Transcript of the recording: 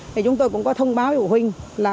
thì chúng tôi cũng có thông báo với phụ huynh là